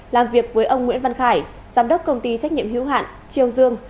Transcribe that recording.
làm việc với ông nguyễn văn khải giám đốc công ty trách nhiệm hiếu hạn triều dương